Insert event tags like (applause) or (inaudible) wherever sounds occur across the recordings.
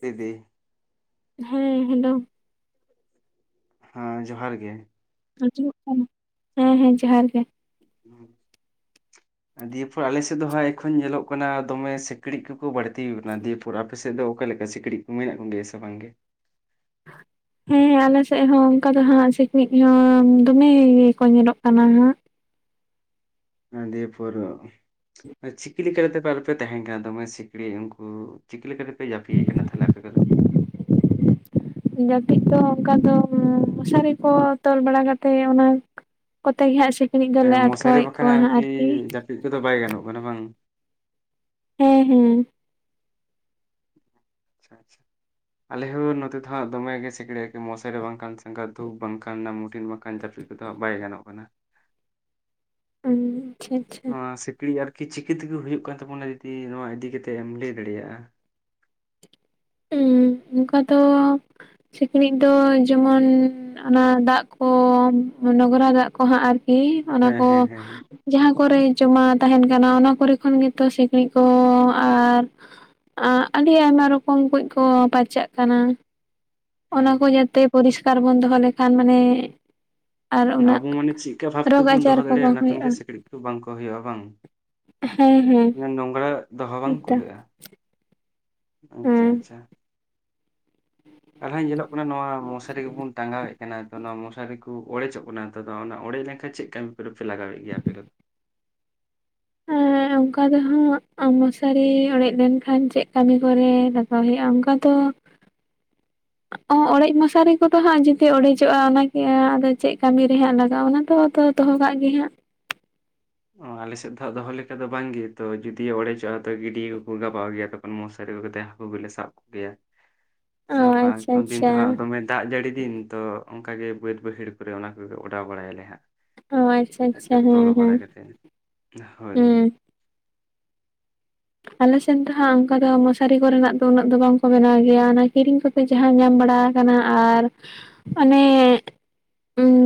ᱯᱤᱫᱤ ᱦᱮᱸ ᱦᱮᱞᱳ? ᱦᱚᱸ ᱡᱚᱦᱟᱨ ᱜᱮ, ᱟᱡᱚᱢᱚᱜ ᱠᱟᱱᱟ ᱦᱮᱸ ᱦᱮᱸ ᱡᱚᱦᱟᱨ ᱜᱮ ᱦᱮᱸ (unintelligible) ᱫᱤᱭᱮᱯᱚᱨ ᱟᱞᱮ ᱥᱮᱫ ᱫᱚ ᱦᱟᱸᱜ ᱮᱠᱷᱚᱱ ᱧᱮᱞᱚᱜ ᱠᱟᱱᱟ ᱫᱚᱢᱮ ᱥᱤᱠᱬᱤᱡ ᱠᱚᱠᱚ ᱵᱟᱹᱲᱛᱤ ᱟᱠᱟᱱᱟ ᱫᱤᱭᱮᱯ ᱛᱚᱨ ᱟᱯᱮᱥᱮᱫ ᱫᱚ ᱚᱠᱟ ᱞᱮᱠᱟ ᱥᱤᱠᱲᱤᱡ ᱠᱚ ᱢᱮᱱᱟᱜ ᱠᱚᱜᱮᱭᱟ ᱥᱮ ᱵᱟᱝᱜᱮ (inaudible) ᱦᱮᱸ ᱟᱞᱮ ᱥᱮᱫ ᱦᱚᱸ ᱚᱱᱠᱟ ᱫᱚ ᱦᱟᱸᱜ ᱥᱤᱠᱲᱤᱡ ᱦᱚᱸ ᱫᱚᱢᱮ ᱠᱚ ᱧᱮᱞᱚᱜ ᱠᱟᱱᱟ ᱦᱟᱸᱜ ᱦᱟᱺᱰᱤ ᱯᱟᱣᱨᱟᱹ ᱪᱤᱠᱤ ᱞᱮᱠᱟᱛᱮ ᱟᱞᱚᱯᱮ ᱛᱟᱦᱮᱱ ᱠᱟᱱᱟ ᱫᱚᱢᱮ ᱥᱤᱠᱲᱤᱡ ᱩᱱᱠᱩ ᱪᱤᱠᱟ ᱞᱮᱠᱟ ᱞᱮᱠᱟᱛᱮᱯᱮ ᱡᱟᱹᱯᱤᱫᱮᱫ ᱠᱟᱱᱟ ᱛᱟᱦᱞᱮ ᱟᱯᱮ ᱠᱚᱫᱚ (inaudible) ᱡᱟᱹᱯᱤᱫ ᱫᱚ ᱚᱱᱠᱟ ᱫᱚ ᱢᱚᱥᱟᱨᱤ ᱠᱚ ᱛᱚᱞ ᱵᱟᱲᱟ ᱠᱟᱛᱮᱫ ᱚᱱᱟ ᱠᱚᱛᱮ ᱜᱮ ᱦᱟᱸᱜ ᱥᱤᱠᱲᱤᱡ ᱫᱚᱞᱮ ᱟᱴᱠᱣᱮᱫ ᱠᱚᱣᱟ ᱦᱟᱸᱜ ᱟᱨᱠᱤ ᱪᱮᱫ ᱠᱚᱫᱚ ᱵᱟᱭ ᱜᱟᱱᱚᱜ ᱠᱟᱱᱟ ᱵᱟᱝ ᱦᱮᱸ ᱦᱮᱸ ᱟᱪᱪᱷᱟ ᱟᱪᱪᱷᱟ ᱟᱞᱮᱦᱚᱸ ᱱᱚᱛᱮ ᱫᱚᱦᱟᱸᱜ ᱫᱚᱢᱮᱜᱮ ᱜᱮ ᱥᱤᱠᱲᱭᱟᱠᱤ ᱢᱚᱥᱟᱨ ᱨᱮ ᱵᱟᱝᱠᱷ ᱥᱟᱸ ᱫᱷᱩᱠ ᱵᱟᱝᱠᱷ ᱚᱱᱟ ᱢᱩᱴᱤᱱ ᱵᱟᱝᱠᱷᱟᱱ ᱡᱟᱹᱯ ᱱᱮᱫᱚᱜᱟᱜ ᱵᱟᱭ ᱜᱟᱱᱚᱜ ᱠᱟᱱᱟ ᱧᱩᱸ ᱱᱚᱣᱟ ᱥᱤᱠᱲᱤᱡ ᱟᱨᱠᱤ ᱪᱤᱠᱤ ᱛᱮᱜᱮ ᱦᱩᱭᱩᱜ ᱠᱟᱱ ᱛᱟᱵᱚᱱᱟ ᱡᱩᱫᱤ ᱱᱚᱣᱟ ᱤᱫᱤᱠᱟ ᱠᱟᱛᱮᱫ ᱮᱢ ᱞᱟᱹᱭ ᱫᱟᱲᱮᱭᱟᱜᱼᱟ ᱧᱩᱸ ᱚᱱᱠᱟ ᱫᱚ ᱥᱤᱠᱲᱤᱡ ᱫᱚ ᱡᱮᱢᱚᱱ ᱚᱱᱟ ᱫᱟᱜ ᱠᱚ ᱱᱚᱜᱽᱨᱟ ᱫᱟᱜ ᱠᱚ ᱦᱟᱸᱜ ᱟᱨᱠᱤ ᱚᱱᱟ ᱦᱮᱸ ᱠᱚ ᱦᱮᱸ ᱦᱮᱸ ᱦᱮᱸ ᱡᱟᱦᱟᱸ ᱠᱚᱨᱮ ᱡᱚᱢᱟ ᱛᱟᱦᱮᱱ ᱠᱟᱱᱟ ᱚᱱᱟ ᱠᱚᱨᱮ ᱠᱷᱚᱱ ᱜᱮᱛᱚ ᱥᱤᱠᱲᱤᱡ ᱠᱚ ᱟᱨ ᱟᱹᱰᱤ ᱟᱭᱢᱟ ᱨᱚᱠᱚᱢ ᱠᱚᱭ ᱠᱚ ᱯᱟᱨᱪᱟᱜ ᱠᱟᱱᱟ ᱚᱱᱟ ᱠᱚ ᱡᱟᱛᱮ ᱯᱚᱨᱤᱥᱠᱟᱨ ᱵᱚᱱ ᱫᱚᱦᱚ ᱞᱮᱠᱷᱟᱱ ᱢᱟᱱᱮ ᱟᱨ ᱩᱱᱟᱹᱜ ᱟᱵᱚ ᱢᱟᱱᱮ ᱪᱮᱫᱠᱟ ᱵᱷᱟᱵᱽ ᱨᱳᱜᱽ ᱛᱮᱵᱚᱱ ᱫᱚᱦᱚ ᱟᱡᱟᱨ ᱠᱚ ᱵᱟᱝ ᱫᱟᱲᱮᱭᱟᱜᱼᱟ ᱠᱷᱟᱱ ᱜᱮ ᱦᱩᱭᱩᱜᱼᱟ ᱥᱤᱠᱬᱤᱡ ᱠᱚ ᱵᱟᱝ ᱠᱚ ᱦᱩᱭᱩᱜᱼᱟ ᱵᱟᱝ ᱦᱮᱸ ᱦᱮᱸ ᱱᱚᱝᱨᱟ ᱫᱚᱦᱚ ᱵᱟᱝ ᱮᱠᱫᱚᱢ ᱠᱩᱞᱟᱹᱜᱼᱟ ᱟᱪᱪᱷᱟ ᱦᱮᱸ ᱟᱪᱪᱷᱟ ᱛᱟᱞᱦᱟ ᱧᱮᱞᱚᱜ ᱠᱟᱱᱟ ᱱᱚᱣᱟ ᱢᱚᱥᱟᱨᱤ ᱠᱚᱵᱚᱱ ᱴᱟᱸᱜᱟᱣᱮᱫ ᱠᱟᱱᱟ ᱱᱚᱣᱟ ᱢᱚᱥᱟᱨᱤ ᱠᱚ ᱠᱚ ᱚᱲᱮᱡᱚᱜ ᱠᱟᱱᱟ ᱱᱮᱛᱚᱜ ᱫᱚ ᱚᱱᱟ ᱚᱲᱮᱡ ᱞᱮᱱᱠᱷᱟᱱ ᱪᱮᱫ ᱠᱟᱹᱢᱤ ᱯᱮ ᱯᱮ ᱞᱟᱜᱟᱣᱮᱫ ᱜᱮᱭᱟ ᱟᱯᱮ ᱠᱚᱫᱚ ᱦᱮᱸ (inaudible) ᱚᱱᱠᱟ ᱫᱚ ᱦᱟᱸᱜ ᱢᱚᱥᱟᱨᱤ ᱚᱲᱮᱡ ᱞᱮᱱᱠᱷᱟᱱ ᱪᱮᱫ ᱠᱟᱹᱢᱤ ᱠᱚᱨᱮ ᱞᱟᱜᱟᱣ ᱦᱩᱭᱩᱜᱼᱟ ᱚᱱᱠᱟ ᱫᱚ (inaudible) ᱚ ᱚᱲᱮᱡ ᱢᱚᱥᱟᱨᱤ ᱠᱚᱫᱚ ᱦᱟᱸᱜ ᱡᱩᱫᱤ ᱚᱲᱮᱡᱚᱜᱼᱟ ᱚᱱᱟᱜᱮ ᱟᱫᱚ ᱪᱮᱫ ᱠᱟᱹᱢᱤ ᱨᱮ ᱦᱟᱸᱜ ᱞᱟᱜᱟᱣᱜᱼᱟ ᱚᱱᱟ ᱫᱚ ᱟᱫᱚ ᱫᱚᱦᱚ ᱠᱟᱜ ᱜᱮ ᱦᱟᱸᱜ ᱚ ᱟᱞᱮᱥᱮᱫ ᱫᱚᱦᱟᱜ ᱫᱚᱦᱚ ᱞᱮᱠᱟ ᱫᱚ ᱵᱟᱝᱜᱮ ᱛᱚ ᱡᱩᱫᱤᱭᱤ ᱚᱲᱮᱡᱚᱜᱼᱟ ᱛᱚ ᱜᱤᱰᱤ ᱠᱚᱠᱚ ᱜᱟᱵᱟᱣ ᱜᱮᱭᱟ ᱛᱚ ᱢᱚᱥᱟᱨᱤ ᱟᱹᱜᱩ ᱠᱟᱛᱮ ᱦᱟᱹᱠᱩ ᱜᱮᱞᱮ ᱥᱟᱵ ᱠᱚ ᱜᱮᱭᱟ ᱚ ᱥᱮ ᱚᱠᱟ ᱟᱪᱪᱷᱟ ᱫᱤᱱ ᱟᱪᱪᱷᱟ ᱫᱚ ᱦᱟᱸᱜ ᱫᱚᱢᱮ ᱫᱟᱜ ᱡᱟᱹᱲᱤ ᱫᱤᱱ ᱛᱚ ᱚᱱᱠᱟᱜ ᱜᱮ ᱵᱟᱹᱫ ᱵᱟᱹᱭᱦᱟᱹᱲ ᱠᱚᱨᱮ ᱚᱱᱟ ᱠᱚᱜᱮ ᱚᱰᱟᱣ ᱵᱟᱲᱟᱭᱟᱞᱮ ᱦᱟᱸᱜ ᱚ ᱟᱪᱪᱷᱟ ᱟᱪ ᱟᱪᱪᱷᱟ ᱪᱷᱟ ᱛᱚᱞ ᱦᱮᱸ ᱦᱮᱸ ᱵᱟᱲᱟ ᱠᱟᱛᱮᱫ ᱦᱮᱸ ᱟᱞᱮᱥᱮᱱ ᱫᱚ ᱦᱟᱸᱜ ᱚᱱᱠᱟ ᱫᱚ ᱢᱚᱥᱟᱨᱤ ᱠᱚᱨᱮᱱᱟᱜ ᱫᱚ ᱩᱱᱟᱹᱜ ᱫᱚ ᱵᱟᱝ ᱠᱚ ᱵᱮᱱᱟᱣ ᱜᱮᱭᱟ ᱚᱱᱟ ᱠᱤᱨᱤᱧ ᱠᱚ ᱡᱟᱦᱟᱸ ᱧᱟᱢ ᱵᱟᱲᱟ ᱟᱠᱟᱱᱟ ᱟᱨ ᱚᱱᱮᱻ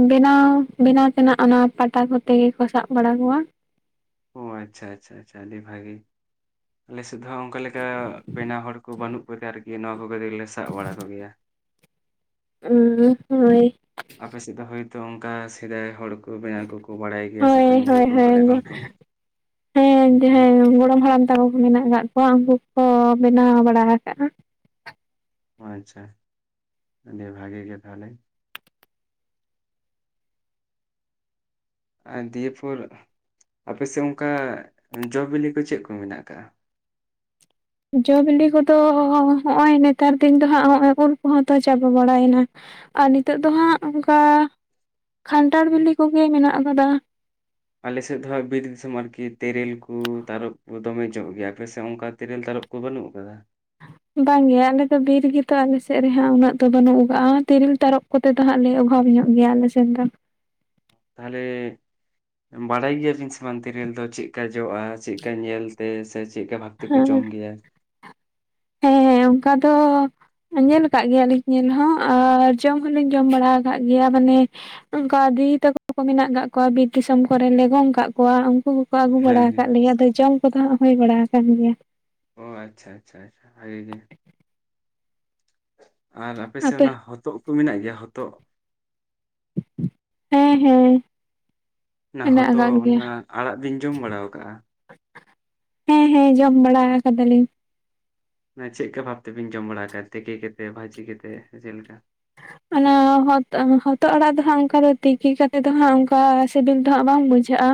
ᱵᱮᱱᱟᱣ ᱵᱮᱱᱟᱣ ᱛᱮᱱᱟᱜ ᱚᱱᱟ ᱯᱟᱴᱟ ᱠᱚᱛᱮ ᱜᱮ ᱠᱚ ᱥᱟᱵ ᱵᱟᱲᱟ ᱠᱚᱣᱟ᱾ ᱦᱚᱭᱻ ᱟᱪᱪᱷᱟ ᱟᱪᱪᱷᱟ ᱟᱪᱪᱷᱟ ᱟᱹᱰᱤ ᱵᱷᱟᱜᱤ᱾ ᱟᱞᱮ ᱥᱮᱫ ᱦᱚᱸ ᱚᱱᱠᱟ ᱞᱮᱠᱟ ᱵᱮᱱᱟᱣ ᱦᱚᱲ ᱠᱚ ᱵᱟᱹᱱᱩᱜ ᱠᱚᱛᱮ ᱟᱨᱠᱤ ᱱᱚᱣᱟ ᱠᱚᱜᱞᱮ ᱥᱟᱵ ᱵᱟᱲᱟ ᱠᱚᱜᱮᱭᱟ᱾ ᱩᱹᱻ ᱦᱳᱭ ᱟᱯᱮ ᱥᱮᱫ ᱫᱚ ᱦᱚᱭᱛᱚ ᱚᱱᱠᱟ ᱥᱮᱫᱟᱭ ᱦᱚᱲ ᱵᱮᱱᱟᱣ ᱠᱚᱠᱚ ᱵᱟᱰᱟᱭ ᱜᱮᱭᱟ ᱦᱳᱭ ᱥᱮᱠᱚ ᱧᱮᱞ ᱦᱳᱭ ᱟᱜᱩ ᱟᱠᱟᱫᱟ ᱠᱚ ᱮᱠᱷᱚᱱ ᱦᱳᱭ ᱛᱚ ᱦᱮᱸ ᱦᱮᱸ ᱜᱚᱲᱚᱢ ᱦᱟᱲᱟᱢ (unintelligible) ᱢᱮᱱᱟᱜ ᱟᱠᱟᱫ ᱠᱚᱣᱟ ᱩᱱᱠᱩ ᱠᱚ ᱵᱮᱱᱟᱣ ᱵᱟᱲᱟ ᱟᱠᱟᱜᱼᱟ ᱟᱪ ᱪᱷᱟ ᱟᱹᱰᱤ ᱵᱷᱟᱹᱜᱤ ᱜᱮ ᱛᱟᱦᱚᱞᱮ ᱟᱨ ᱫᱤᱭᱮ ᱯᱷᱚᱨ ᱟᱯᱮᱥᱮᱫ ᱚᱱᱠᱟ ᱡᱚ ᱵᱤᱞᱤ ᱠᱚ ᱪᱮᱫ ᱠᱚ ᱢᱮᱱᱟᱜ ᱟᱠᱟᱫ᱾ ᱡᱚ ᱵᱤᱞᱤ ᱠᱚᱫᱚᱻ ᱦᱚᱜᱼᱚᱭ ᱱᱮᱛᱟᱨ ᱫᱤᱱ ᱫᱚ ᱦᱟᱸᱜᱜᱚᱭ ᱩᱞ ᱠᱚᱦᱚᱸ ᱛᱚ ᱪᱟᱵᱟ ᱵᱟᱲᱟᱭᱮᱱᱟ᱾ ᱟᱨ ᱱᱤᱛᱚᱜ ᱫᱚ ᱦᱟᱸᱜ ᱚᱱᱠᱟ ᱠᱷᱟᱱᱴᱷᱟᱲ ᱵᱤᱞᱤ ᱠᱚᱜᱮ ᱢᱮᱱᱟᱜ ᱟᱠᱟᱫᱟ᱾ ᱟᱞᱮᱥᱮᱫ ᱫᱚᱦᱟᱸᱜ ᱵᱤᱨ ᱫᱤᱥᱚᱢ ᱟᱨᱠᱤ ᱛᱮᱨᱮᱞ ᱠᱚ ᱛᱟᱨᱚᱵᱯ ᱠᱚ ᱫᱚᱢᱮ ᱧᱚᱜ ᱜᱮᱭᱟ ᱯᱮᱥᱮ ᱠᱟ ᱛᱮᱨᱮᱞ ᱛᱟᱨᱚᱜ ᱠᱚ ᱵᱟᱹᱱᱩᱜ ᱟᱠᱟᱫᱟ᱾ ᱵᱟᱝᱜᱮ ᱟᱞᱮᱫᱚ ᱵᱤᱨ ᱜᱮᱛᱚ ᱟᱞᱮᱥᱮᱫ ᱨᱮᱦᱟᱜ ᱩᱱᱟᱹᱜ ᱫᱚ ᱵᱟᱹᱱᱩᱜᱟᱜᱼᱟ ᱛᱤᱨᱤᱞ ᱛᱟᱨᱚᱯ ᱠᱚᱛᱮ ᱫᱚ ᱦᱟᱸᱜ ᱞᱮ ᱚᱵᱷᱟᱵᱽ ᱧᱚᱜ ᱜᱮᱭᱟ ᱟᱞᱮ ᱥᱮᱫ ᱫᱚ᱾ ᱛᱟᱦᱚᱞᱮ ᱵᱟᱲᱟᱭ ᱜᱮᱭᱟᱹᱞᱤᱧ ᱥᱮ ᱵᱟᱝ ᱛᱤᱨᱤᱞ ᱫᱚ ᱪᱮᱫ ᱞᱮᱠᱟ ᱡᱚᱜᱼᱟ ᱪᱮ ᱞᱮᱠᱟ ᱧᱮᱞ ᱛᱮ ᱥᱮ ᱪᱮᱫ ᱞᱮᱠᱟ ᱵᱷᱟᱯ ᱛᱮ ᱯᱮ ᱡᱚᱢ ᱜᱤᱭᱟ᱾ (inaudible) ᱦᱮᱸᱻ ᱚᱱᱠᱟ ᱫᱚᱻ ᱧᱮᱞ ᱟᱠᱟᱫ ᱜᱮᱭᱟᱞᱤᱧ ᱧᱮᱞ ᱦᱚᱸ ᱟᱨ ᱡᱚᱢ ᱦᱚᱞᱤᱧ ᱡᱚᱢ ᱵᱟᱲᱟ ᱟᱠᱟᱫ ᱜᱮᱭᱟ ᱢᱟᱱᱮ ᱚᱱᱠᱟ ᱫᱤᱫᱤ ᱛᱟᱠᱚ ᱠᱚ ᱢᱮᱱᱟᱜ ᱟᱠᱟᱫ ᱠᱚᱣᱟ ᱵᱤᱨ ᱫᱤᱥᱚᱢ ᱠᱚᱨᱮ ᱞᱮ ᱜᱚᱝ ᱠᱟᱜ ᱠᱚᱣᱟ ᱩᱱᱠᱩ ᱠᱚ ᱟᱹᱜᱩ ᱵᱟᱲᱟ ᱦᱮᱸ ᱦᱮᱸ ᱟᱠᱟᱫ ᱞᱮᱭᱟ ᱟᱫᱚ ᱡᱚᱢ ᱠᱚᱫᱚ ᱦᱟᱸᱜ ᱦᱩᱹᱭ ᱵᱟᱲᱟ ᱟᱠᱟᱱ ᱜᱮᱭᱟ᱾ ᱚ ᱟᱪᱪᱷᱟ ᱟᱪᱪᱷᱟ ᱟᱪᱪᱷᱟ ᱵᱷᱟᱜᱮ ᱜᱮ ᱟᱨ ᱟᱯᱮᱥᱮᱫ ᱟᱯᱮ ᱚᱱᱟ ᱦᱚᱛᱚᱫ ᱠᱚ ᱢᱮᱱᱟᱜ ᱜᱮᱭᱟ ᱦᱚᱛᱚᱫ ᱦᱮᱸᱻ ᱦᱮᱸᱻ ᱚᱱᱟ ᱦᱚᱛᱚ ᱚᱱᱟ ᱟᱲᱟᱜ ᱵᱤᱱ ᱡᱚᱢ ᱵᱟᱲᱟ ᱟᱠᱟᱫᱼᱟ ᱦᱮᱸᱻ ᱦᱮᱸᱻ ᱡᱚᱢ ᱵᱟᱲᱟ ᱟᱠᱟᱫᱟᱞᱤᱧ ᱚᱱᱟ ᱪᱮᱫᱮ ᱵᱷᱟᱵᱽ ᱛᱮᱵᱮᱱ ᱡᱚᱢ ᱵᱟᱲᱟ ᱟᱠᱟᱫ ᱛᱤᱠᱤ ᱠᱟᱛᱮᱫ ᱵᱷᱟᱹᱡᱤ ᱠᱟᱛᱮᱫ ᱪᱮᱫ ᱞᱮᱠᱟ᱾ ᱚᱱᱟ ᱦᱚᱛᱚᱫ ᱟᱲᱟᱜ ᱫᱚᱦᱟᱸᱜ ᱚᱱᱠᱟ ᱫᱚ ᱛᱤᱠᱤ ᱠᱟᱛᱮᱫ ᱫᱚᱦᱟᱸᱜ ᱚᱱᱠᱟ ᱥᱤᱵᱤᱞ ᱫᱚᱦᱟᱸᱜ ᱵᱟᱝ ᱵᱩᱡᱷᱟᱹᱜᱼᱟ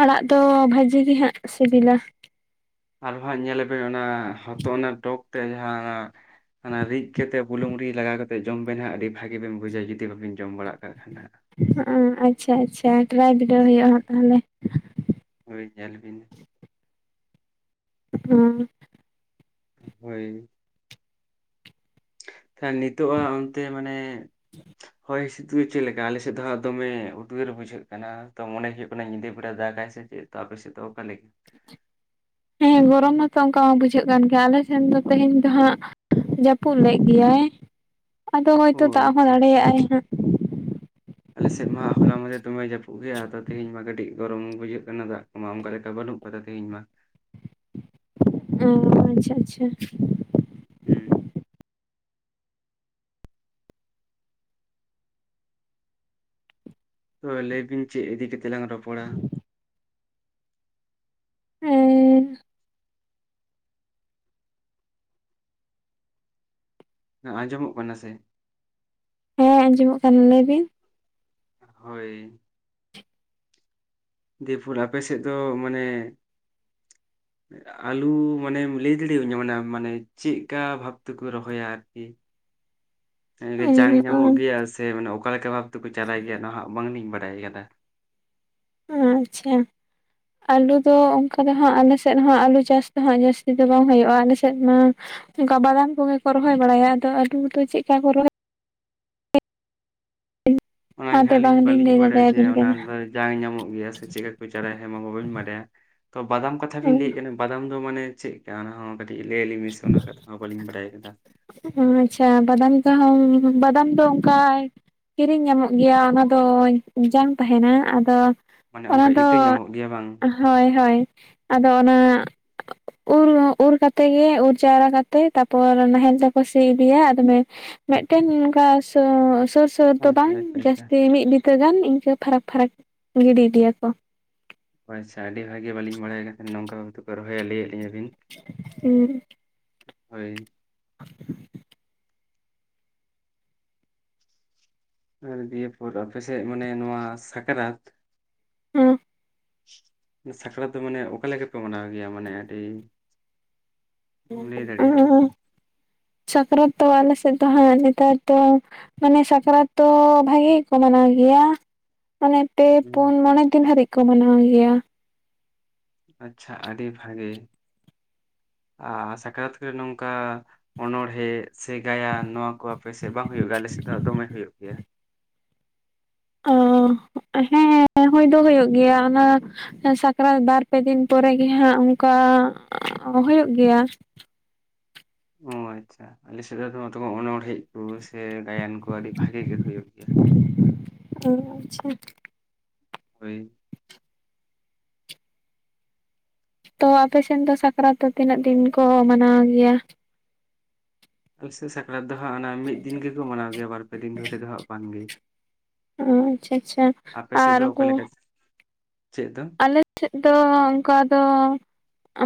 ᱟᱲᱟᱜ ᱫᱚ ᱵᱷᱟᱹᱡᱤ ᱜᱮᱦᱟᱸᱜ ᱥᱤᱵᱤᱞᱟ᱾ ᱟᱨ ᱦᱟᱸᱜ ᱧᱮᱞᱮᱯᱮ ᱚᱱᱟ ᱦᱚᱛᱚᱜ ᱚᱱᱟ ᱴᱚᱜᱽ ᱛᱮ ᱡᱟᱦᱟᱸᱻ ᱚᱱᱟ ᱨᱤᱫ ᱠᱟᱛᱮ ᱵᱩᱞᱩᱝ ᱨᱤ ᱞᱟᱜᱟᱣ ᱚᱱᱟ ᱛᱤᱥ ᱠᱟᱛᱮᱫ ᱡᱚᱢ ᱵᱮᱱ ᱦᱟᱸᱜ ᱟᱹᱰᱤ ᱵᱷᱟᱹᱜᱤ ᱵᱤᱱ ᱵᱩᱡᱟ ᱡᱩᱫᱤ ᱵᱟᱹᱵᱤᱱ ᱡᱚᱢ ᱵᱟᱲᱟᱜ ᱠᱟᱜ ᱠᱷᱟᱱ ᱫᱚ ᱦᱟᱜ ᱚ ᱟᱪᱪᱷᱟ ᱟᱪᱪᱷᱟ ᱴᱨᱟᱭ ᱵᱤᱰᱟᱹᱣ ᱦᱩᱭᱩᱜᱼᱟ ᱦᱟᱜ ᱛᱟᱦᱚᱞᱮ ᱦᱳᱭ ᱧᱮᱞ ᱵᱤᱱ ᱦᱚᱸᱻ ᱦᱳᱭ ᱠᱷᱟᱱ ᱱᱤᱛᱳᱜ ᱟ ᱚᱱᱛᱮ ᱢᱟᱱᱮᱻ (inaudible) ᱦᱚᱭ ᱦᱤᱥᱤᱫ ᱪᱮᱫ ᱞᱮᱠᱟ ᱟᱞᱮᱥᱮᱫ ᱫᱚᱠ ᱫᱚᱢᱮ ᱩᱫᱽᱜᱟᱹᱨ ᱵᱩᱡᱷᱟᱹᱜ ᱠᱟᱱᱟ ᱛᱚ ᱢᱚᱱᱮ ᱦᱩᱭᱩᱜ ᱠᱟᱱᱟ ᱧᱤᱫᱟᱹ ᱵᱮᱲᱟ ᱫᱟᱜᱟᱭ ᱥᱮ ᱪᱮᱫ ᱛᱮ ᱟᱯᱮ ᱥᱮᱫ ᱫᱚ ᱚᱠᱟᱞᱮᱠᱟ᱾ ᱦᱮᱸᱻ ᱜᱚᱨᱚᱢ ᱢᱟᱛᱚ ᱚᱱᱠᱟ ᱢᱟ ᱵᱩᱡᱷᱟᱹᱜ ᱠᱟᱱ ᱜᱮᱭᱟ ᱟᱞᱮ ᱥᱮᱱ ᱫᱚ ᱛᱮᱦᱮᱧ ᱫᱚ ᱦᱟᱸᱜ ᱡᱟᱹᱯᱩᱫ ᱞᱮᱫ ᱜᱮᱭᱟᱹᱭ ᱟᱫᱚ ᱦᱚᱭ ᱚ ᱛᱳ ᱫᱟᱜ ᱦᱚᱸ ᱟᱪᱪᱷᱟ ᱫᱟᱲᱮᱭᱟᱜᱼᱟᱭ ᱦᱟᱸᱜ ᱟᱞᱮᱥᱮᱫ ᱢᱟ ᱦᱚᱞᱟ ᱢᱟᱫᱷᱮᱨ ᱫᱚᱢᱮ ᱡᱟᱹᱯᱩᱫ ᱜᱮᱭᱟ ᱟᱫᱚ ᱛᱮᱦᱮᱧ ᱢᱟ ᱠᱟᱹᱴᱤᱡ ᱜᱚᱨᱚᱢ ᱵᱩᱡᱷᱟᱹᱜ ᱠᱟᱱᱟ ᱫᱟᱜ ᱚᱱᱠᱟ ᱞᱮᱠᱟ ᱵᱟᱹᱱᱩᱜ ᱠᱟᱫᱟ ᱛᱮᱦᱤᱧ ᱢᱟ ᱚᱻ ᱟᱪᱪᱷᱟ ᱟᱪᱪᱷᱟ ᱦᱩᱸᱻ ᱛᱚ ᱞᱟᱹᱭ ᱵᱤᱱ ᱪᱮᱜ ᱤᱫᱤ ᱠᱟᱛᱮᱜ ᱞᱟᱝ ᱨᱚᱯᱚᱲᱟ? ᱩᱸᱻ ᱦᱮᱸ ᱟᱸᱡᱚᱢᱚᱜ ᱠᱟᱱᱟ ᱥᱮ? ᱦᱮᱸ ᱟᱸᱡᱚᱢᱚᱜ ᱠᱟᱱ ᱞᱟᱹᱭ ᱵᱤᱱ? ᱦᱳᱭ ᱾ ᱫᱮᱭᱮᱯᱚᱨ ᱟᱯᱮ ᱥᱮᱫ ᱫᱚ ᱢᱟᱱᱮ ᱟᱞᱩ ᱢᱟᱱᱮᱢ ᱞᱟᱹᱭ ᱫᱟᱲᱮ ᱤᱧᱟ ᱢᱟᱱᱮ ᱢᱟᱱᱮ ᱪᱮᱫᱠᱟ ᱵᱷᱟᱵ ᱛᱮᱠᱚ ᱨᱚᱦᱚᱭᱟ ᱟᱨᱠᱤ ᱟᱱᱮ ᱠᱤ ᱡᱟᱝ ᱧᱟᱢᱚᱜ ᱜᱮᱭᱟ ᱥᱮ ᱚᱠᱟᱞᱮᱠᱟ ᱵᱷᱟᱵ ᱛᱮᱠᱚ ᱪᱟᱨᱟᱭ ᱜᱮᱭᱟ ᱱᱚᱣᱟ ᱦᱟᱸᱜ ᱵᱟᱝᱞᱤᱧ ᱵᱟᱲᱟᱭ ᱟᱠᱟᱫᱟ᱾ ᱟᱪᱪᱷᱟ ᱟᱞᱩ ᱫᱚ ᱚᱱᱠᱟ ᱨᱮᱦᱚᱸ ᱟᱞᱮ ᱥᱮᱫ ᱦᱚᱸ ᱟᱹᱞᱩ ᱪᱟᱥ ᱫᱚ ᱦᱟᱜ ᱡᱟᱹᱥᱛᱤ ᱫᱚ ᱵᱟᱝ ᱦᱩᱭᱩᱜᱼᱟ ᱟᱞᱮ ᱥᱮᱫ ᱢᱟ ᱚᱱᱠᱟ ᱵᱟᱫᱟᱢ ᱠᱚᱜᱮ ᱠᱚ ᱨᱚᱦᱚᱭ ᱵᱟᱲᱟᱭᱟ ᱟᱫᱚ ᱟᱹᱞᱩ ᱫᱚ ᱪᱮᱫ ᱠᱟ ᱠᱚ ᱨᱚᱦᱚᱭ ᱚᱱᱟᱜᱮ ᱚᱱᱟᱛᱮ ᱦᱟᱸᱜ ᱟᱹᱞᱤᱧ ᱵᱟᱝᱞᱤᱧ ᱵᱟᱹᱞᱤᱧ ᱞᱟᱹᱭ ᱵᱟᱲᱟᱭᱟ ᱡᱮ ᱫᱟᱲᱮᱭᱟᱵᱤᱱ ᱚᱱᱟ ᱠᱟᱱᱟ ᱫᱚ ᱡᱟᱝ ᱧᱟᱢᱚᱜ ᱜᱮᱭᱟ ᱥᱮ ᱪᱤᱠᱠᱟ ᱠᱚ ᱪᱟᱨᱟᱭᱼᱟ ᱦᱮᱢᱟ ᱢᱟ ᱵᱟᱹᱧ ᱵᱟᱰᱟᱭᱟ ᱛᱚ ᱵᱟᱫᱟᱢ ᱠᱟᱛᱷᱟ ᱵᱤᱱ ᱞᱟᱹᱭᱮᱫ ᱠᱟᱱᱟ ᱵᱟᱫᱟᱢ ᱫᱚ ᱢᱟᱱᱮ ᱪᱮᱜᱠᱟ ᱚᱱᱟ ᱦᱚᱸ ᱠᱟᱹᱴᱤᱡ ᱞᱟᱹᱭ ᱟᱞᱤᱧ ᱢᱮᱥᱮ ᱚᱱᱟ ᱠᱟᱛᱷᱟ ᱦᱚᱸ ᱵᱟᱹᱞᱤᱧ ᱵᱟᱰᱟᱭ ᱠᱟᱫᱟ ᱾ ᱩᱸ ᱟᱪᱷᱟ ᱵᱟᱫᱟᱢ ᱡᱟᱦᱟᱸ ᱵᱟᱫᱟᱢ ᱫᱚ ᱚᱱᱠᱟ ᱠᱤᱨᱤᱧ ᱧᱟᱢᱚᱜ ᱜᱮᱭᱟ ᱚᱱᱟ ᱫᱚ ᱡᱟᱝ ᱛᱟᱦᱮᱸᱱᱟ ᱟᱫᱚ ᱢᱟᱱᱮ ᱚᱱᱟ ᱚᱱᱠᱟ ᱫᱚ ᱤᱛᱟᱹ ᱧᱟᱢᱚᱜ ᱜᱮᱭᱟ ᱵᱟᱝ ᱦᱳᱭ ᱦᱳᱭ ᱟᱫᱚ ᱚᱱᱟ ᱩ-ᱨᱚ ᱩᱨ ᱠᱟᱛᱮ ᱜᱮ ᱩᱨ ᱡᱟᱣᱨᱟ ᱠᱟᱛᱮ ᱛᱟᱯᱚᱨ ᱱᱟᱦᱮᱞ ᱫᱚ ᱥᱤ ᱤᱫᱤᱭᱟ ᱟᱫᱚ ᱢᱮ ᱢᱮᱜᱴᱮᱱ ᱚᱱᱠᱟ ᱥᱚ ᱥᱳ-ᱥᱚ ᱛᱳᱨ ᱫᱚ ᱟᱪᱪᱷᱟ ᱵᱟᱝ ᱟᱪᱪᱷᱟ ᱟᱪᱪᱷᱟ ᱡᱟᱹᱥᱛᱤ ᱢᱤᱫ ᱵᱤᱛᱟᱹ ᱜᱟᱱ ᱤᱱᱠᱟᱹ ᱯᱷᱟᱨᱟᱠ ᱯᱷᱟᱨᱟᱠ ᱜᱤᱰᱤ ᱤᱫᱤᱭᱟ ᱠᱚ ᱾ ᱚ ᱟᱪᱪᱷᱟ ᱟᱹᱰᱤ ᱵᱷᱟᱜᱤ ᱵᱟᱹᱞᱤᱧ ᱵᱟᱲᱟᱭ ᱠᱟᱱ ᱛᱟᱸᱦᱮᱱᱟ ᱱᱚᱝᱠᱟ ᱦᱳᱭ ᱛᱚ ᱠᱚ ᱨᱚᱦᱚᱭᱟ ᱞᱟᱹᱭᱟᱫ ᱞᱤᱧᱟᱹ ᱵᱤᱱ ᱾ ᱦᱩᱸ ᱾ ᱦᱳᱭ ᱾ (inaudible) ᱟ ᱫᱤᱭᱮ ᱯᱚᱨ ᱟᱯᱮ ᱥᱮᱫ ᱢᱟᱱᱮ ᱱᱚᱣᱟ ᱥᱟᱠᱨᱟᱛ ᱾ ᱦᱩᱸ ᱾ ᱥᱟᱠᱨᱟᱛ ᱫᱚ ᱢᱟᱱᱮ ᱚᱠᱟ ᱞᱮᱠᱟ ᱯᱮ ᱢᱟᱱᱟᱣ ᱜᱮᱭᱟ? ᱢᱟᱱᱮ ᱟᱹᱰᱤ ᱞᱟᱹᱭ ᱫᱟᱲᱮᱭᱟᱜᱼᱟ (unintelligible) (inaudible) ᱥᱟᱠᱨᱟᱛ ᱛᱚ ᱟᱞᱮ ᱥᱮᱫ ᱫᱚ ᱦᱟᱸᱜ ᱱᱮᱛᱟᱨ ᱫᱚ ᱢᱟᱱᱮ ᱥᱟᱯᱲᱟᱛ ᱛᱚ ᱵᱷᱟᱜᱮ ᱜᱮᱠᱚ ᱢᱟᱱᱟᱣ ᱜᱮᱭᱟ ᱾ ᱢᱟᱱᱮ ᱯᱮ ᱯᱩᱱ ᱦᱩᱸ, ᱢᱚᱬᱮ ᱫᱤᱱ ᱦᱟᱹᱨᱤᱡ ᱠᱚ ᱢᱟᱱᱟᱣ ᱜᱮᱭᱟ ᱾ ᱟᱪᱪᱷᱟ ᱟᱹᱰᱤ ᱵᱷᱟᱜᱮ, ᱟ ᱥᱟᱠᱨᱟᱛ ᱨᱮ ᱱᱚᱝᱠᱟ ᱚᱱᱚᱬᱦᱮᱸ ᱥᱮ ᱜᱟᱭᱟᱱ ᱱᱚᱣᱟ ᱠᱚ ᱟᱯᱮ ᱥᱮᱜ ᱵᱟᱝ ᱦᱩᱭᱩᱜᱼᱟ ᱟᱞᱮ ᱥᱮᱫ ᱫᱚ ᱦᱟᱸᱜ ᱫᱚᱢᱮ ᱦᱩᱭᱩᱜ ᱜᱮᱭᱟ ᱾ ᱚᱸ ᱦᱮᱸ ᱦᱩᱭ ᱫᱚ ᱦᱳᱭᱳᱜ ᱜᱮᱭᱟ ᱚᱱᱮ ᱾ ᱦᱮᱸ ᱥᱟᱠᱨᱟᱛ ᱵᱟᱨ ᱯᱮ ᱫᱤᱱ ᱯᱚᱨᱮ ᱜᱮ ᱦᱟᱸᱜ ᱚᱱᱠᱟ ᱦᱩᱭᱩᱜ ᱜᱮᱭᱟ ᱾ ᱚᱸ ᱟᱪᱪᱷᱟ ᱟᱞᱮ ᱥᱮᱫ ᱫᱚ ᱢᱟᱛᱚ ᱢᱟ ᱚᱱᱚᱲᱦᱮᱸᱡ ᱠᱚ ᱥᱮ ᱜᱟᱭᱟᱱ ᱠᱚ ᱟᱹᱰᱤ ᱵᱷᱟᱜᱮ ᱜᱮ ᱦᱩᱭᱩᱜ ᱜᱮᱭᱟ ᱾ ᱚ ᱟᱪᱪᱷᱟ ᱾ ᱦᱟᱹᱭ ᱛᱚ ᱟᱯᱮ ᱥᱮᱱ ᱫᱚ ᱥᱟᱠᱨᱟᱛ ᱫᱚ ᱛᱤᱱᱟᱹᱜ ᱫᱤᱱ ᱠᱚ ᱢᱟᱱᱟᱣ ᱜᱮᱭᱟ? ᱳᱭ ᱥᱮ ᱥᱟᱠᱨᱟᱛ ᱫᱚ ᱦᱟᱸᱜ ᱚᱱᱟ ᱢᱤᱫ ᱫᱤᱱ ᱜᱮᱠᱚ ᱢᱟᱱᱟᱣ ᱜᱮᱭᱟ ᱵᱟᱨ ᱯᱮ ᱫᱤᱱ ᱫᱷᱚᱨᱮ ᱫᱚ ᱦᱟᱸᱜ ᱵᱟᱝ ᱜᱮ ᱾ ᱚᱸ ᱪᱷᱟ ᱪᱷᱟ ᱟᱨ ᱚᱠᱟ ᱩᱱᱠᱩ ᱞᱮᱠᱟ ᱪᱮᱫ ᱫᱚ? ᱟᱞᱮ ᱴᱷᱮᱫ ᱫᱚ ᱚᱝᱠᱟ ᱫᱚ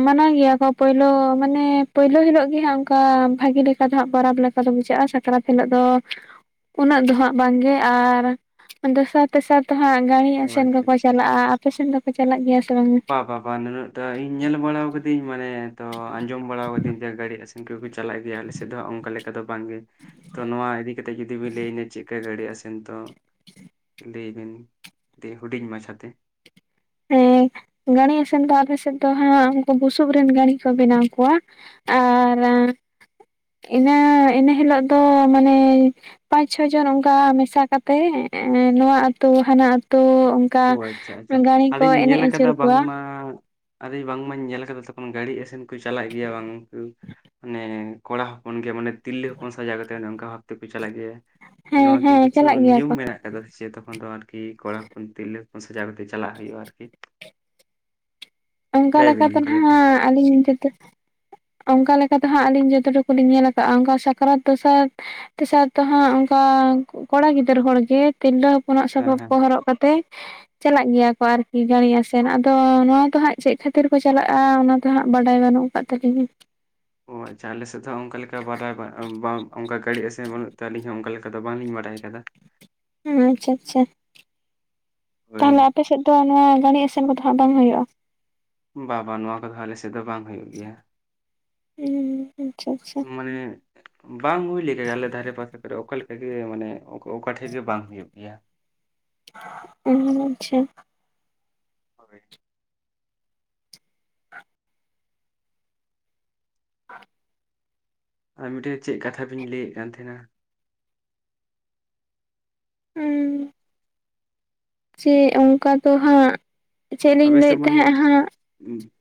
ᱢᱟᱱᱟᱣ ᱜᱮᱭᱟ ᱠᱚ ᱯᱳᱭᱞᱳ ᱢᱟᱱᱮ ᱯᱳᱭᱞᱳ ᱦᱤᱞᱳᱜ ᱜᱮ ᱦᱟᱸᱜ ᱚᱱᱠᱟ ᱵᱷᱟᱜᱮ ᱞᱮᱠᱟ ᱫᱚ ᱦᱟᱸᱜ ᱯᱟᱨᱟᱵᱽ ᱞᱮ ᱠᱟᱡᱚ ᱵᱩᱡᱷᱟᱹᱜᱼᱟ ᱥᱟᱠᱨᱟᱛ ᱦᱤᱞᱚᱜ ᱫᱚ ᱾ ᱩᱱᱟᱹᱜ ᱫᱚ ᱦᱟᱸᱜ ᱵᱟᱝ ᱜᱮ ᱟᱨ ᱫᱚᱥᱟᱨ ᱛᱮᱥᱟᱨ ᱛᱚ ᱦᱟᱸᱜ ᱜᱟᱹᱲᱤ ᱚ ᱟᱥᱮᱱ ᱟᱪᱪᱷᱟ ᱠᱚᱠᱚ ᱪᱟᱞᱟᱜᱼᱟ ᱟᱯᱮ ᱥᱮᱱ ᱫᱚᱠᱚ ᱪᱟᱞᱟᱜ ᱜᱮᱭᱟ ᱥᱮ ᱵᱟᱝ? ᱵᱟ-ᱵᱟ-ᱵᱟ ᱱᱩᱱᱟᱹᱜ ᱴᱟ ᱤᱧ ᱧᱮᱞ ᱵᱟᱲᱟᱣ ᱠᱟᱹᱫᱤᱧ ᱢᱟᱱᱮ ᱛᱚ ᱟᱸᱡᱚᱢ ᱵᱟᱲᱟᱣ ᱠᱟᱹᱫᱤᱧ ᱡᱮ ᱜᱟᱹᱲᱤ ᱟᱥᱮ ᱤᱱᱠᱟᱹ ᱠᱚ ᱪᱟᱞᱟᱜ ᱜᱮᱭᱟ ᱟᱞᱮ ᱥᱮᱫ ᱫᱚ ᱚᱱᱠᱟ ᱞᱮᱠᱟ ᱫᱚ ᱵᱟᱝ ᱜᱮ ᱛᱚ ᱱᱚᱣᱟ ᱤᱫᱤ ᱠᱟᱛᱮ ᱡᱚᱫᱤ ᱵᱤᱱ ᱞᱟᱹᱭᱟ ᱧᱟ ᱪᱮᱫ ᱠᱟ ᱜᱟᱹᱲᱤ ᱟᱥᱮ ᱱᱤᱛᱚᱜ ᱞᱟᱹᱭ ᱵᱤᱱ (inaudible) ᱦᱩᱰᱤᱧ ᱢᱟᱪᱷᱟᱛᱮ ᱦᱮᱸ ᱜᱟᱹᱲᱤ ᱟᱥᱮᱱ ᱫᱚ ᱟᱞᱮ ᱥᱮᱫ ᱫᱚ ᱦᱟᱸᱜ ᱩᱱᱠᱩ ᱵᱩᱥᱩᱵ ᱨᱮᱱ ᱜᱟᱹᱲᱤ ᱠᱚ ᱵᱮᱱᱟᱣ ᱠᱚᱣᱟ ᱟᱨ ᱤᱱᱟᱹ ᱤᱱᱟᱹ ᱦᱤᱞᱳᱜ ᱫᱚ ᱢᱟᱱᱮ ᱯᱟᱸᱪ ᱪᱷᱚ ᱡᱚᱱ ᱚᱱᱠᱟ ᱢᱮᱥᱟ ᱠᱟᱛᱮ ᱮ ᱱᱚᱣᱟ ᱟᱹᱛᱩ ᱦᱟᱱᱟ ᱟᱹᱛᱩ ᱠᱟ ᱜᱟᱹᱲᱤ ᱠᱚ ᱤᱧ ᱧᱮᱞ ᱮᱱᱮᱡ ᱟᱠᱟᱫᱟ ᱟᱹᱪᱩᱨ ᱵᱟᱝ ᱠᱚᱣᱟ ᱢᱟ ᱟᱨᱮ ᱵᱟᱝ ᱢᱟᱧ ᱧᱮᱞ ᱟᱠᱟᱫᱟ ᱛᱚᱠᱷᱚᱱ ᱜᱟᱹᱲᱤ ᱟᱥᱮᱱ ᱾ ᱠᱩ ᱪᱟᱞᱟᱜ ᱜᱮᱭᱟ ᱵᱟᱝ ᱩᱱᱠᱩ ᱱᱮ ᱠᱚᱲᱟ ᱦᱚᱯᱚᱱ ᱜᱮ ᱢᱟᱱᱮ ᱛᱤᱨᱞᱟᱹ ᱦᱚᱯᱚᱱ ᱥᱟᱡᱟᱣ ᱠᱟᱛᱮ ᱚᱱᱮ ᱚᱱᱠᱟ ᱵᱷᱟᱵ ᱛᱮ ᱠᱚ ᱪᱟᱞᱟᱜ ᱜᱮᱭᱟ ᱾ ᱛᱚ ᱦᱮᱸ ᱱᱚᱣᱟ ᱠᱤ ᱦᱮᱸ ᱠᱤᱪᱷᱩ ᱪᱟᱞᱟᱜ ᱜᱮᱭᱟ ᱱᱤᱭᱚᱢ ᱠᱚ ᱢᱮᱱᱟᱜ ᱠᱟᱫᱟ ᱥᱮ ᱛᱚᱠᱷᱚᱱ ᱫᱚ ᱟᱨᱠᱤ ᱠᱚᱲᱟ ᱦᱚᱯᱚᱱ ᱛᱤᱨᱞᱟᱹ ᱦᱚᱯᱚᱱ ᱥᱟᱡᱟᱣ ᱠᱟᱛᱮ ᱪᱟᱞᱟᱜ ᱦᱩᱭᱩᱜᱼᱟ ᱟᱨᱠᱤ ᱾ ᱚᱱᱠᱟ ᱞᱮᱠᱟ ᱵᱤᱱ ᱛᱮ ᱚᱱᱠᱟ ᱱᱟᱦᱟᱜ ᱟᱹᱞᱤᱧ ᱡᱚᱛᱚ ᱚᱱᱠᱟ ᱞᱮᱠᱟ ᱛᱮ ᱦᱟᱸᱜ ᱟᱹᱞᱤᱧ ᱡᱚᱛᱚ ᱴᱩᱠᱩ ᱞᱤᱧ ᱧᱮᱞ ᱟᱠᱟᱜ-ᱟ ᱚᱱᱠᱟ ᱥᱟᱠᱨᱟᱛ ᱫᱚᱥᱟᱨ ᱛᱮᱥᱟᱨ ᱫᱚ ᱦᱟᱸᱜ ᱚᱱᱠᱟ ᱠᱚᱲᱟ ᱜᱤᱫᱽᱟᱹᱨ ᱦᱚᱲ ᱜᱮ ᱛᱤᱨᱞᱟᱹ ᱦᱚᱯᱚᱱᱟᱜ ᱦᱮᱸ ᱥᱟᱯᱟᱵ ᱦᱮᱸ ᱠᱚ ᱦᱚᱨᱚᱜ ᱠᱟᱛᱮᱫ ᱪᱟᱞᱟᱜ ᱜᱮᱭᱟ ᱠᱚ ᱟᱨᱠᱤ ᱜᱟᱹᱲᱤ ᱟᱥᱮᱱ ᱟᱫᱚ ᱱᱚᱣᱟ ᱫᱚ ᱦᱟᱸᱜ ᱪᱮᱫ ᱠᱷᱟᱹᱛᱤᱨ ᱠᱚ ᱪᱟᱞᱟᱜᱼᱟ ᱚᱱᱟ ᱫᱚ ᱦᱟᱸᱜ ᱵᱟᱰᱟᱭ ᱵᱟᱹᱱᱩᱜ ᱟᱠᱟᱫ ᱛᱟᱹᱞᱤᱧᱟ ᱚ ᱟᱪᱪᱷᱟ ᱟᱞᱮ ᱥᱮᱫ ᱫᱚ ᱚᱱᱠᱟ ᱞᱮᱠᱟ ᱵᱟᱰᱟᱭ ᱵᱟᱝ ᱚᱱᱠᱟ ᱜᱟᱹᱲᱤ ᱟᱥᱮᱱ ᱵᱟᱹᱱᱩᱜ ᱛᱮ ᱟᱹᱞᱤᱧ ᱦᱚᱸ ᱚᱱᱠᱟ ᱞᱮᱠᱟ ᱟᱫᱚ ᱵᱟᱝ ᱞᱤᱧ ᱵᱟᱰᱟᱭ ᱠᱟᱫᱟ ᱦᱚᱸ ᱟᱪᱪᱷᱟ ᱟᱪᱪᱷᱟ ᱦᱳᱭ ᱛᱟᱦᱚᱞᱮ ᱟᱯᱮ ᱥᱮᱫ ᱛᱚ ᱱᱚᱣᱟ ᱜᱟᱹᱲᱤ ᱟᱥᱮᱱ ᱠᱚ ᱫᱚ ᱦᱟᱜ ᱵᱟᱝ ᱦᱩᱭᱩᱜᱼᱟ᱾ ᱵᱟ ᱵᱟ ᱱᱚᱶᱟ ᱠᱚᱫᱚ ᱟᱞᱮᱥᱮᱫ ᱥᱮᱫ ᱫᱚ ᱵᱟᱝ ᱦᱩᱭᱩᱜ ᱜᱮᱭᱟ ᱦᱩᱸ ᱟᱪᱪᱷᱟ ᱟᱪᱪᱷᱟ ᱢᱟᱱᱮ ᱵᱟᱝ ᱦᱩᱭ ᱞᱮᱠᱟ ᱜᱮ ᱟᱞᱮ ᱫᱷᱟᱨᱮ ᱯᱟᱥᱮ ᱠᱚᱨᱮ ᱚᱠᱟ ᱞᱮᱠᱟᱜᱮ ᱢᱟᱱᱮ ᱚᱠᱟ ᱴᱷᱮᱡ ᱜᱮ ᱵᱟᱝ ᱦᱩᱭᱩᱜ ᱜᱮᱭᱟ ᱦ ᱟᱪᱪᱷᱟ (unintelligible) ᱦᱳᱭ (unintelligible) ᱟᱨ ᱢᱤᱫᱴᱮᱱ ᱪᱮᱫ ᱠᱟᱛᱷᱟ ᱵᱤᱱ ᱞᱟᱹᱭ ᱮᱫ ᱠᱟᱱ ᱛᱟᱦᱮᱸᱱᱟ ᱩᱩᱸ ᱪᱮ ᱚᱱᱠᱟ ᱫᱚ ᱦᱟᱸᱜ ᱪᱮᱫ ᱞᱤᱧ ᱟᱵᱮᱥ ᱞᱟᱹᱭᱮᱫ ᱢᱟᱱᱮ ᱛᱟᱦᱮᱸᱫ ᱦᱟᱸᱜ (unintelligible)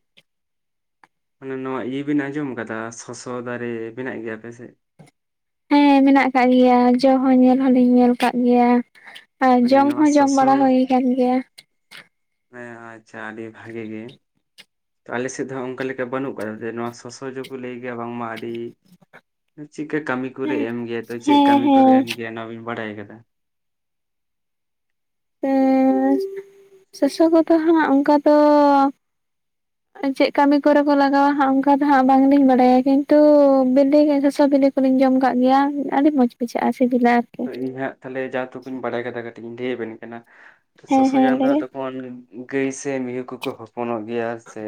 ᱢᱟᱱᱮ ᱱᱚᱣᱟ ᱤᱭᱟᱹ ᱵᱤᱱ ᱟᱸᱡᱚᱢ ᱠᱟᱫᱟ ᱥᱚᱥᱚ ᱫᱟᱨᱮ ᱢᱮᱱᱟᱜ ᱜᱮᱭᱟ ᱟᱯᱮ ᱥᱮᱫ ᱦᱮᱸ ᱢᱮᱱᱟᱜ ᱟᱠᱟᱫ ᱜᱮᱭᱟ ᱡᱚ ᱦᱚᱸ ᱧᱮᱞ ᱦᱚ ᱞᱤᱧ ᱧᱮᱞ ᱠᱟᱜ ᱜᱮᱭᱟ ᱟᱨ ᱢᱟᱱᱮ ᱡᱚᱢ ᱱᱚᱣᱟ ᱦᱚᱸ ᱡᱚᱢ ᱥᱚᱥᱚ ᱵᱟᱲᱟ ᱦᱩᱭ ᱠᱟᱱ ᱜᱮᱭᱟ ᱦᱮᱸ ᱟᱪᱪᱷᱟ ᱟᱹᱰᱤ ᱵᱷᱟᱜᱮ ᱜᱮ ᱛᱚ ᱟᱞᱮ ᱥᱮᱫ ᱫᱚ ᱚᱱᱠᱟ ᱞᱮᱠᱟ ᱵᱟᱹᱱᱩᱜ ᱠᱟᱫᱟ ᱫᱮ ᱱᱚᱣᱟ ᱥᱚᱥᱚ ᱡᱚ ᱠᱚ ᱞᱟᱹᱭ ᱜᱮᱭᱟ ᱵᱟᱝᱢᱟ ᱟᱹᱰᱤ ᱪᱮᱫᱠᱟ ᱠᱟᱹᱢᱤ ᱠᱚᱨᱮ ᱦᱮᱸ ᱮᱢ ᱜᱮᱭᱟ ᱛᱚ ᱪᱮᱫ ᱠᱟᱹᱢᱤ ᱠᱚᱨᱮ ᱮᱢ ᱜᱮᱭᱟᱭ ᱚᱱᱟ ᱵᱤᱱ ᱵᱟᱰᱟᱭ ᱟᱠᱟᱫᱟ ᱦᱮᱸ ᱥᱚᱥᱚ ᱠᱚᱫᱚ ᱦᱟᱸᱜ ᱚᱱᱠᱟ ᱫᱚ (unintelligible) ᱪᱮᱫ ᱠᱟᱹᱢᱤ ᱠᱚᱨᱮ ᱠᱚ ᱞᱟᱜᱟᱣ-ᱟ ᱦᱟᱸᱜ ᱚᱱᱠᱟ ᱫᱚ ᱦᱟᱸᱜ ᱵᱟᱝᱞᱤᱧ ᱵᱟᱰᱟᱭ-ᱟ ᱠᱤᱱᱛᱩ ᱵᱤᱞᱤ (unintelligible) ᱥᱚᱥᱚ ᱵᱤᱞᱤ ᱠᱚᱞᱤᱧ ᱡᱚᱢ ᱠᱟᱜ ᱜᱮᱭᱟ ᱟᱹᱰᱤ ᱢᱚᱡᱽ ᱵᱩᱡᱷᱟᱹᱜᱼᱟ ᱥᱤᱵᱤᱞ ᱟᱨ ᱛᱚ ᱤᱧ ᱦᱟᱸᱜ ᱛᱟᱦᱚᱞᱮ ᱡᱟ ᱛᱩᱠᱩᱧ ᱵᱟᱰᱟᱭ ᱠᱟᱫᱟ ᱠᱟᱹᱴᱤᱡ ᱤᱧ ᱞᱟᱹᱭ ᱟᱵᱮᱱ ᱠᱟᱱᱟ ᱦᱮᱸ ᱥᱚᱥᱚ ᱦᱮᱸ ᱡᱟᱝ ᱫᱚ ᱞᱟᱹᱭ ᱦᱟᱜ ᱵᱤᱱ ᱛᱚᱠᱷᱚᱱ ᱜᱟᱹᱭ ᱥᱮ ᱢᱤᱦᱩ ᱠᱚ ᱠᱚ ᱦᱚᱯᱚᱱᱚᱜ ᱜᱮᱭᱟ ᱥᱮ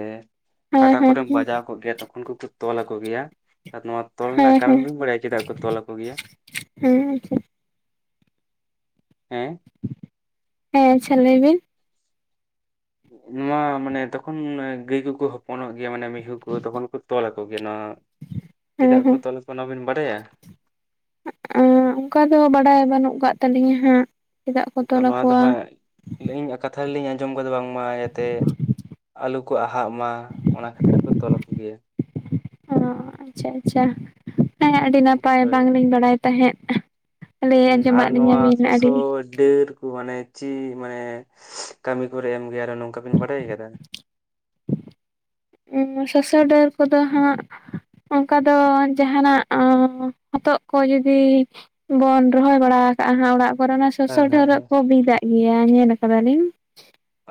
ᱦᱮᱸ ᱠᱟᱴᱟ ᱦᱮᱸ ᱦᱮᱸ ᱠᱚᱨᱮᱢ ᱵᱟᱡᱟᱣ ᱠᱚᱜ ᱜᱮᱭᱟ ᱛᱚᱠᱷᱚᱱ ᱠᱚ ᱠᱚ ᱛᱚᱞᱟ ᱠᱚ ᱜᱮᱭᱟ ᱟᱨ ᱱᱚᱣᱟ ᱛᱚᱞ ᱦᱮᱸ ᱨᱮᱱᱟᱜ ᱦᱮᱸ ᱠᱟᱨᱚᱱ ᱵᱤᱱ ᱵᱟᱲᱟᱭᱟ ᱪᱮᱫᱟᱜ ᱠᱚ ᱛᱚᱞ ᱟᱠᱚ ᱜᱮᱭᱟ ᱦᱮᱸ ᱟᱪᱪᱷᱟ ᱦᱮᱸ ᱦᱮᱸ ᱟᱪᱪᱷᱟ ᱞᱟᱹᱭ ᱵᱤᱱ ᱱᱚᱣᱟ ᱢᱟᱱᱮ ᱛᱚᱠᱷᱚᱱ ᱜᱟᱹᱭ ᱠᱚᱠᱚ ᱦᱚᱯᱚᱱᱚᱜ ᱜᱮᱭᱟ ᱢᱟᱱᱮ ᱢᱤᱦᱩ ᱠᱚ ᱛᱚᱠᱷᱚᱱ ᱠᱚ ᱛᱚᱞ ᱟᱠᱚ ᱜᱮᱭᱟ ᱱᱚᱣᱟ ᱦᱮᱸ ᱪᱮᱫᱟᱜ ᱠᱚ ᱦᱮᱸ ᱛᱚᱞ ᱟᱠᱚᱣᱟ ᱱᱟᱶᱟ ᱵᱤᱱ ᱵᱟᱰᱟᱭᱟ ᱚᱱᱠᱟ ᱫᱚ ᱵᱟᱰᱟᱭ ᱵᱟᱹᱱᱩᱜ ᱠᱟᱛ ᱛᱟᱹᱞᱤᱧᱟ ᱦᱟᱸᱜ ᱪᱮᱫᱟᱜ ᱠᱚ ᱛᱚᱞ ᱟᱠᱚᱣᱟ ᱞᱤᱧ ᱠᱟᱛᱷᱟ ᱨᱮ ᱞᱤᱧ ᱟᱸᱡᱚᱢ ᱠᱟᱫᱟ ᱵᱟᱝᱢᱟ ᱡᱟᱛᱮ ᱟᱞᱚᱠ ᱠᱚ ᱟᱦᱟᱜ ᱢᱟ ᱚᱱᱟ ᱠᱷᱟᱹᱛᱤᱨ ᱠᱚ ᱛᱚᱞ ᱟᱠᱚ ᱜᱮᱭᱟ ᱚ ᱟᱪᱪᱷᱟ ᱟᱪᱪᱷᱟ ᱦᱮ ᱟᱹᱰᱤ ᱱᱟᱯᱟᱭ ᱦᱳᱭ ᱵᱟᱝᱞᱤᱧ ᱵᱟᱲᱟᱭ ᱛᱟᱦᱮᱸᱫ ᱞᱟᱹᱭ ᱦᱮ ᱟᱨ ᱟᱸᱡᱚᱢᱟᱜ ᱞᱤᱧᱟᱹ ᱱᱚᱣᱟ ᱵᱤᱱ ᱥᱚᱥᱚ ᱟᱹᱰᱤ ᱰᱟᱹᱨ ᱠᱚ ᱢᱟᱱᱮ ᱪᱮᱫ ᱢᱟᱱᱮ ᱠᱟᱹᱢᱤ ᱠᱚᱨᱮ ᱮᱢ ᱜᱮᱭᱟ ᱟᱨᱚ ᱱᱚᱝᱠᱟ ᱵᱤᱱ ᱵᱟᱰᱟᱭ ᱟᱠᱟᱫᱟ ᱥᱚᱥᱚ ᱰᱟᱹᱨ ᱠᱚ ᱫᱚ ᱦᱟᱸᱜ ᱚᱱᱠᱟ ᱫᱚ ᱡᱟᱦᱟᱱᱟᱜ ᱦᱚᱛᱚᱜ ᱠᱚ ᱡᱩᱫᱤ ᱵᱚᱱ ᱨᱚᱦᱚᱭ ᱵᱟᱲᱟ ᱟᱠᱟᱟᱜᱼᱟ ᱚᱲᱟᱜ ᱠᱚᱨᱳᱱᱟ ᱥᱚᱥᱚ ᱦᱮᱸ ᱦᱮᱸ ᱰᱷᱟᱹᱣᱨᱹᱜ ᱦᱮᱸ ᱠᱚ ᱵᱤᱫᱟᱜ ᱜᱮᱭᱟ ᱧᱮᱞ ᱠᱟᱫᱟ ᱞᱤᱧ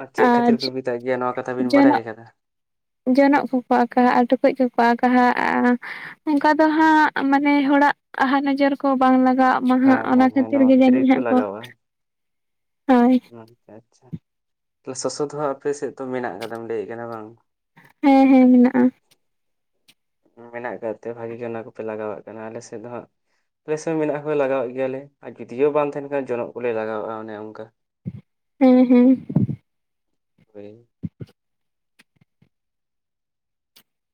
ᱟᱨ ᱪᱮᱫ ᱠᱷᱟᱹᱛᱤᱨ ᱠᱚ ᱵᱤᱫᱟᱜ ᱜᱮᱭᱟ ᱱᱚᱣᱟ ᱠᱟᱛᱷᱟ ᱵᱤᱱ ᱡᱚᱱᱚᱜ ᱵᱟᱲᱟᱭ ᱟᱠᱟᱫᱟ ᱡᱚᱱᱚᱜ ᱠᱚᱠᱚ ᱟᱸᱠᱟᱦᱟᱜᱼᱟ ᱴᱩᱠᱩᱡ ᱠᱚᱠᱚ ᱟᱸᱠᱟᱦᱟᱜᱼᱟ ᱚᱱᱠᱟ ᱫᱚ ᱦᱟᱸᱜ ᱢᱟᱱᱮ ᱦᱚᱲᱟᱜ ᱟᱦᱟ ᱱᱚᱡᱚᱨ ᱠᱚ ᱵᱟᱝ ᱞᱟᱜᱟᱜ ᱢᱟ ᱦᱟᱸᱜ ᱦᱮᱸ ᱚᱱᱟ ᱦᱮᱸ ᱦᱮᱸ ᱠᱷᱟᱹᱛᱤᱨ ᱱᱚᱣᱟ ᱜᱮ ᱡᱟᱹᱱᱤᱡ ᱜᱮᱠᱚ ᱦᱟᱸᱜ ᱠᱚ ᱞᱟᱜᱟᱣᱟ᱾ ᱦᱳᱭ ᱟᱪᱪᱷᱟ ᱟᱪᱪᱷᱟ ᱛᱚ ᱥᱚᱥᱚ ᱫᱚ ᱦᱟᱜ ᱟᱯᱮ ᱥᱮᱫ ᱛᱚ ᱢᱮᱱᱟᱜ ᱠᱟᱫᱟᱢ ᱞᱟᱹᱭᱮᱜ ᱠᱟᱱᱟ ᱵᱟᱝ ᱦᱮᱸ ᱦᱮᱸ ᱢᱮᱱᱟᱜᱼᱟ ᱢᱮᱱᱟᱜ ᱠᱟᱫ ᱛᱮ ᱵᱷᱟᱜᱤ ᱜᱮ ᱚᱱᱟ ᱠᱚᱯᱮ ᱞᱟᱜᱟᱣᱟᱜ ᱠᱟᱱᱟ ᱟᱞᱮ ᱥᱮᱫ ᱫᱚ ᱦᱟᱸᱜ ᱯᱮᱥᱮ ᱦᱚᱸ ᱢᱮᱱᱟᱜ ᱦᱚᱸ ᱞᱮ ᱞᱟᱜᱟᱣᱮᱫ ᱜᱮᱭᱟᱞᱮ ᱟᱨ ᱡᱩᱫᱤᱭ ᱦᱚᱸ ᱵᱟᱝ ᱛᱟᱦᱮᱱ ᱠᱷᱟᱱ ᱡᱚᱱᱚᱜ ᱠᱚᱞᱮ ᱞᱟᱜᱟᱣᱟᱜᱼᱟ ᱚᱱᱮ ᱚᱱᱠᱟ ᱦᱮᱸ ᱦᱩᱸ ᱦᱳᱭ (unintelligible)